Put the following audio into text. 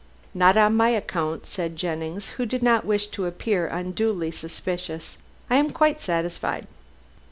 "Not on my account," said Jennings, who did not wish to appear unduly suspicious. "I am quite satisfied."